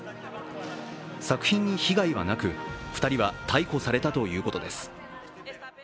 作品に被害はなく２人は逮捕されたということです。